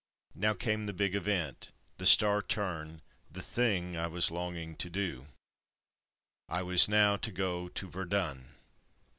Now came the big event, the star turn, the thing I was longing to do. I was now to go to Verdun!